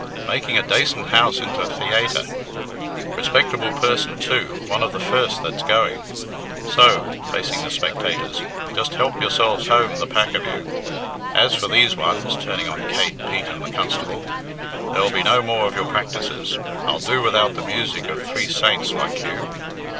Making a dacent house into a theaytre! Respectable person, too one of the first that's going! So," facing the spectators, "just help yourselves home the pack of you! As for these ones," turning on Kate, Pete, and the constable, "there'll be no more of your practices. I'll do without the music of three saints like you.